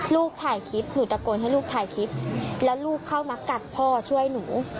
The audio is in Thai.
ลูกถ่ายคลิปหนูตะโกนให้ลูกถ่ายคลิปแล้วลูกเข้ามากัดพ่อช่วยหนู